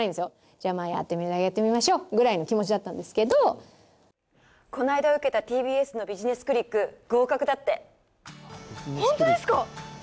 じゃあまあやってみましょうぐらいの気持ちだったんですけどこないだ受けたＴＢＳの「ビジネスクリック」合格だってホントですか！